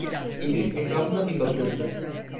İdris etrafına bir bakındı…